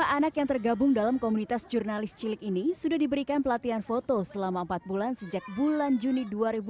dua puluh anak yang tergabung dalam komunitas jurnalis cilik ini sudah diberikan pelatihan foto selama empat bulan sejak bulan juni dua ribu dua puluh